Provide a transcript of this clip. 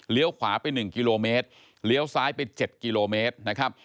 ขวาไป๑กิโลเมตรเลี้ยวซ้ายไป๗กิโลเมตรนะครับ